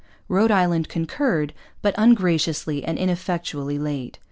Rhode Island concurred, but ungraciously and ineffectually late.